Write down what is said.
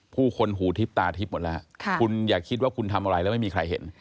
ผู้คนหูทิพย์ตาทิพย์หมดแล้วคุณอย่าคิดว่าคุณทำอะไรแล้วไม่มีใครเห็น